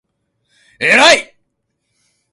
えらい！！！！！！！！！！！！！！！